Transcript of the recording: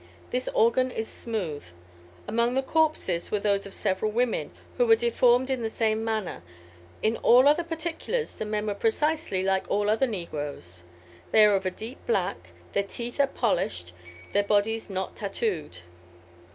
This organ is smooth. Among the corpses were those of several women, who were deformed in the same manner. In all other particulars, the men were precisely like all other negroes. They are of a deep black, their teeth are polished, their bodies not tattooed.